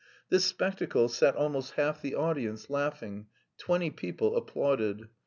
This spectacle set almost half the audience laughing, twenty people applauded.